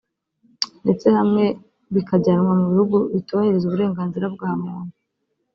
ndetse hamwe bikajyanwa mu bihugu bitubahiriza uburenganzira bwa muntu